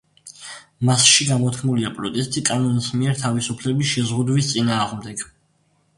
მასში გამოთქმულია პროტესტი კანონის მიერ თავისუფლების შეზღუდვის წინააღმდეგ.